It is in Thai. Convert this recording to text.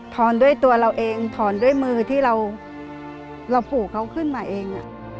อนด้วยตัวเราเองถอนด้วยมือที่เราผูกเขาขึ้นมาเอง